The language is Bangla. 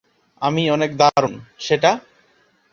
আমি অনেক দারুণ, সেটা?